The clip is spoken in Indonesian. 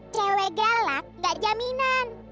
cewek galak ga jaminan